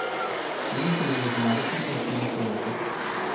Ni si mogel pomagati in se ne smejati.